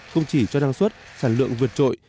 không chỉ cho năng suất sản lượng vượt trội